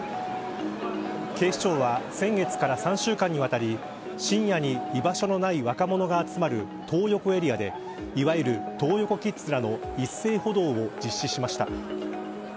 警視庁は先月から３週間にわたり深夜に居場所のない若者が集まるトー横エリアでいわゆる、トー横キッズらの一斉補導を実施しました。